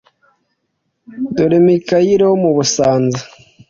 Dore Mikayire wo mu Busanza,